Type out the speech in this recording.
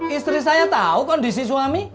istri saya tahu kondisi suami